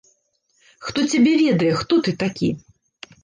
Хто цябе ведае, хто ты такі.